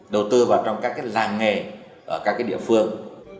đầu tư vào trong các làng nghề ở các địa phương